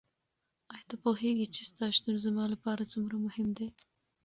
ایا ته پوهېږې چې ستا شتون زما لپاره څومره مهم دی؟